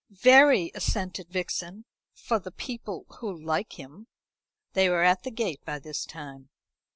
"Very," assented Vixen, "for the people who like him." They were at the gate by this time.